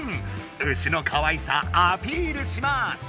牛のかわいさアピールします！